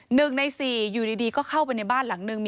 หนึ่งในสี่อยู่ดีก็เข้าไปในบ้านหลังนึง